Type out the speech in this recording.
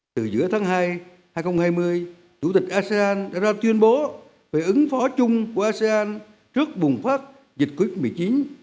từ giữa tháng hai hai nghìn hai mươi chủ tịch asean đã ra tuyên bố về ứng phó chung của asean trước bùng phát dịch covid một mươi chín